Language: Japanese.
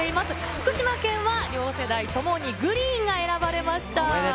福島県は両世代ともに、ＧＲｅｅｅｅＮが選ばれました。